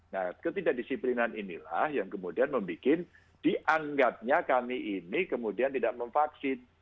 nah ketidakdisiplinan inilah yang kemudian membuat dianggapnya kami ini kemudian tidak memvaksin